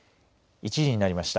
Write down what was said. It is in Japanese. １時になりました。